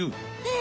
え？